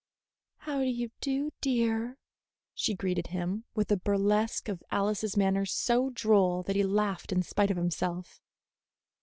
"How do you do, dear?" she greeted him, with a burlesque of Alice's manner so droll that he laughed in spite of himself.